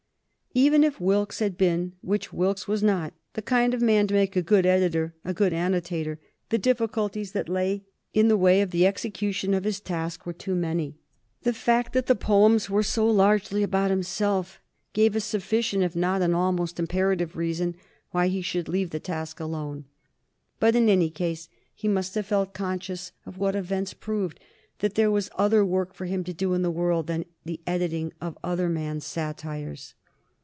Even if Wilkes had been, which Wilkes was not, the kind of a man to make a good editor, a good annotator, the difficulties that lay in the way of the execution of his task were too many. The fact that the poems were so largely about himself gave a sufficient if not an almost imperative reason why he should leave the task alone. But in any case he must have felt conscious of what events proved, that there was other work for him to do in the world than the editing of other men's satires.